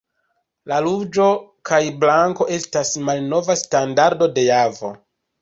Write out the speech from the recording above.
La ruĝo kaj blanko estas malnova standardo de Javo.